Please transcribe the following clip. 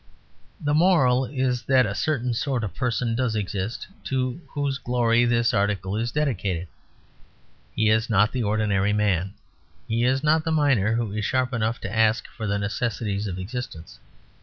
The moral is that a certain sort of person does exist, to whose glory this article is dedicated. He is not the ordinary man. He is not the miner, who is sharp enough to ask for the necessities of existence.